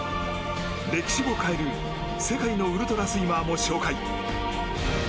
歴史を変える世界のウルトラスイマーも紹介！